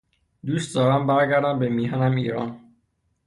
دوست دارم برگردم به میهنم ایران.